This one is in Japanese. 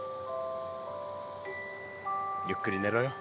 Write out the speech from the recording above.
ゆっくり寝ろよ。